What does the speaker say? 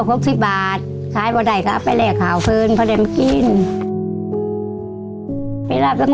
หนูก็เสียใจค่ะที่ไม่มีพ่อมีแม่เหมือนเพื่อนค่ะ